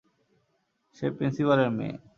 সে প্রিন্সিপালের মেয়ে।